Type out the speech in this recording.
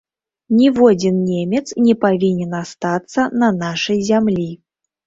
Ніводзін немец не павінен астацца на нашай зямлі.